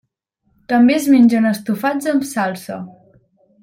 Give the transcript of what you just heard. També es mengen estofats amb salsa.